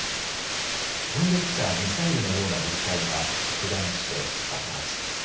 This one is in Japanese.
飛んできたミサイルのような物体が着弾して爆発。